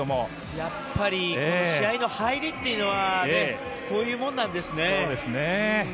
やっぱり試合の入りというのはこういうものなんですね。